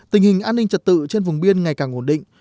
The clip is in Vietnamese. tình hình an ninh trật tự trên vùng biên ngày càng ổn định